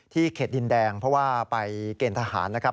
เขตดินแดงเพราะว่าไปเกณฑ์ทหารนะครับ